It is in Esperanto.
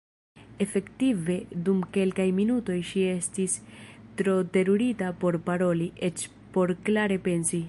Efektive dum kelkaj minutoj ŝi estis tro terurita por paroli, eĉ por klare pensi.